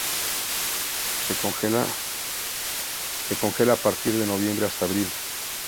Se congela a partir de noviembre hasta abril.